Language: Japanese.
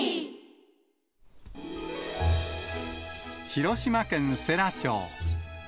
広島県世羅町。